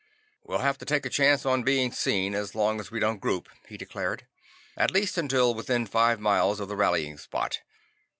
"We'll have to take a chance on being seen, so long as we don't group," he declared, "at least until within five miles of the rallying spot.